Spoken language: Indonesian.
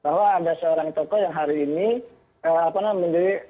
bahwa ada seorang tokoh yang hari ini menjadi